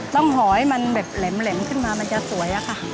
ต้องห่อให้มันเหล็มขึ้นมามันจะสวยค่ะ